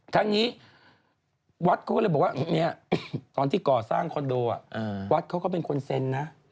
ทั้งนี้วัดเขาก็เลยบอกว่าเนี่ยตอนที่ก่อสร้างคอนโดวัดเขาก็เป็นคนเซ็นนะ